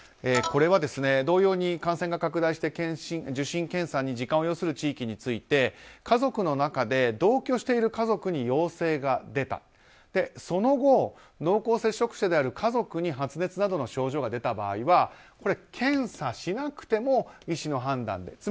これは同様に感染が拡大して受診・検査に時間を要する地域について家族の中で同居している家族に陽性が出たその後、濃厚接触者である家族に発熱などの症状が出た場合は検査をしなくても医師の判断で。